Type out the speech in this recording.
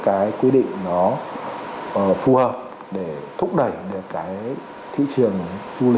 cái quy định nó phù hợp để thúc đẩy được cái thị trường quốc tế